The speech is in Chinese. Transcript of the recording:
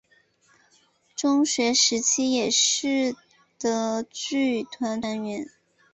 中学时期也是的剧团团员。